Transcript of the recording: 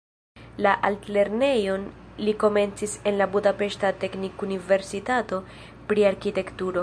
La altlernejon li komencis en la budapeŝta teknikuniversitato pri arkitekturo.